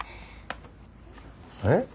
えっ？